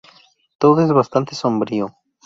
Todo es bastante sombrío.